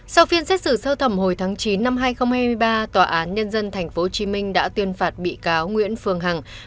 sau phiên xét xử sơ thẩm hồi tháng chín năm hai nghìn hai mươi ba tòa án nhân dân tp hcm đã tuyên phạt bị cáo nguyễn phương hằng